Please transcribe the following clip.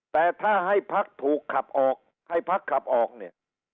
แต่ถ้าให้พักถูกขับออกให้พักขับออกเนี่ย